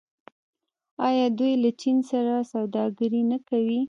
آیا دوی له چین سره سوداګري نه کوي؟